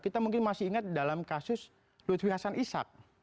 kita mungkin masih ingat dalam kasus lutfi hasan ishak